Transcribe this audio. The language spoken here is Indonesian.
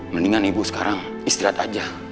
mendingan ibu sekarang istirahat aja